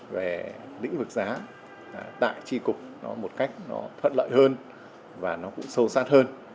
về lĩnh vực giá tại tri cục một cách thuận lợi hơn và sâu sát hơn